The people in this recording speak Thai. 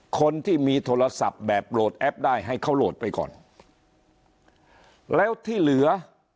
คนที่มีโทรศัพท์แบบโหลดแอปได้ให้เขาโหลดไปก่อนแล้วที่เหลือ